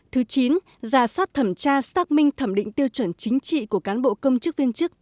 thứ chín giả soát thẩm tra xác minh thẩm định tiêu chuẩn chính trị của cán bộ công chức viên chức